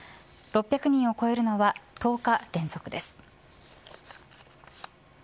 ６００人を超えるのは１０日連続です。